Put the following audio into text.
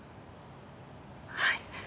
はい